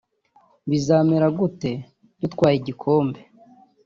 bizamera gute dutwaye igikombe